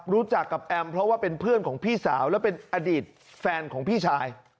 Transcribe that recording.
รู้จักกับแอมเพราะว่าเป็นเพื่อนของพี่สาวและเป็นอดีตแฟนของพี่ชาย